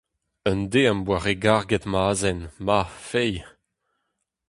Un deiz am boa re garget ma azen, ma feiz !